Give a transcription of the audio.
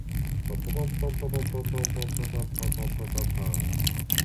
The earliest instances in literature are in Hesiod and the Homeric hymn to Dionysus.